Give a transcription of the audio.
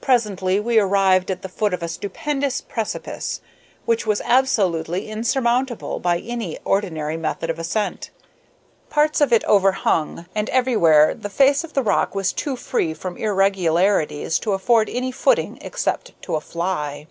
Presently we arrived at the foot of a stupendous precipice, which was absolutely insurmountable by any ordinary method of ascent. Parts of it overhung, and everywhere the face of the rock was too free from irregularities to afford any footing, except to a fly.